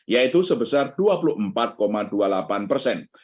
yaitu sebesar dua puluh empat dua puluh delapan persen